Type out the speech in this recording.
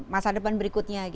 masa depan berikutnya